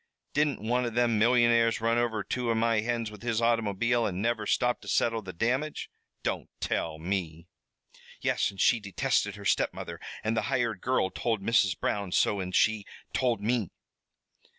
Didn't one of them millionaires run over two of my hens with his automobile an' never stop to settle the damage? Don't tell me!" "Yes, and she detested her step mother the hired girl told Mrs. Brown so, an' she told me."